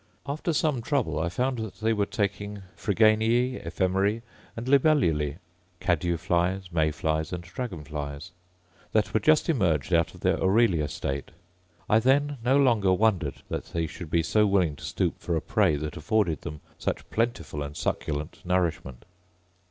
After some trouble, I found that they were taking phryganeae, ephemerae, and libellulae (cadew flies, may flies, and dragon flies) that were just emerged out of their aurelia state. I then no longer wondered that they should be so willing to stoop for a prey that afforded them such plentiful and succulent nourishment.